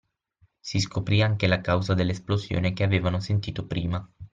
Si scoprì anche la causa dell’esplosione che avevano sentito prima